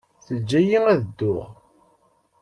Teǧǧa-iyi ad dduɣ.